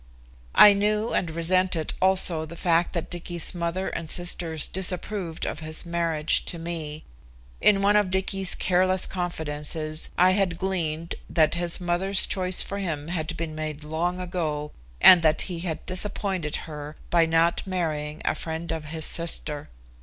I knew and resented also the fact that Dicky's mother and sisters disapproved of his marriage to me. In one of Dicky's careless confidences I had gleaned that his mother's choice for him had been made long ago, and that he had disappointed her by not marrying a friend of his sister.